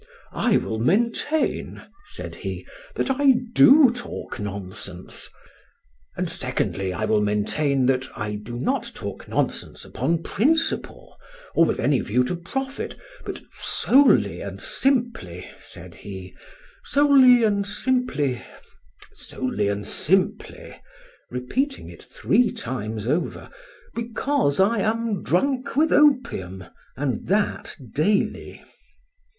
"I will maintain," said he, "that I do talk nonsense; and secondly, I will maintain that I do not talk nonsense upon principle, or with any view to profit, but solely and simply, said he, solely and simply—solely and simply (repeating it three times over), because I am drunk with opium, and that daily."